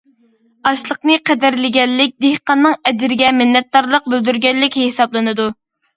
ئاشلىقنى قەدىرلىگەنلىك دېھقاننىڭ ئەجرىگە مىننەتدارلىق بىلدۈرگەنلىك ھېسابلىنىدۇ.